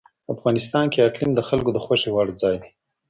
افغانستان کې اقلیم د خلکو د خوښې وړ ځای دی.